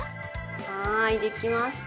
はい出来ました。